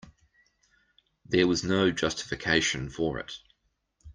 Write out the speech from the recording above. There was no justification for it.